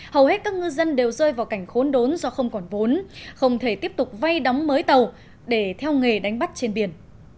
hầu hết các ngư dân đều rơi vào cảnh khốn đốn do không còn vốn không thể tiếp tục vay đóng mới tàu để theo nghề đánh bắt trên biển